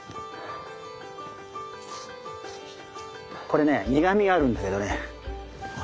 これね苦みがあるんだけどねこれがうまい。